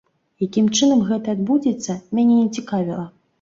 Якім чынам гэта адбудзецца, мяне не цікавіла.